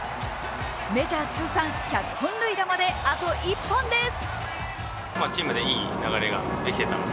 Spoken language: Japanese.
メジャー通算１００本塁打まであと１本です！